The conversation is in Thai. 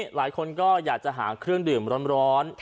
หลายคนก็อยากจะหาเครื่องดื่มร้อน